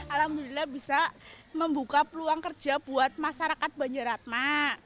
alhamdulillah bisa membuka peluang kerja buat masyarakat banjaratma